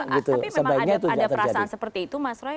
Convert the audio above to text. tapi memang ada perasaan seperti itu mas roy